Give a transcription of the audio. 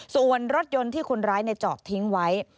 ส่วนรถยนต์ที่คนร้ายจอดทิ้งไว้